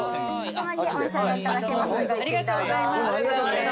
ありがとうございます。